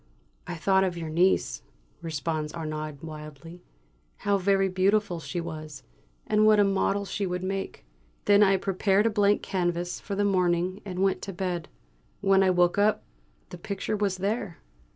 "I thought of your niece," responds Arnaud wildly. "How very beautiful she was, and what a model she would make. Then I prepared a blank canvas for the morning, and went to bed. When I woke up the picture was there."